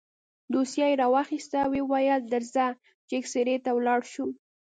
دوسيه يې راواخيسته ويې ويل درځه چې اكسرې ته ولاړ شو.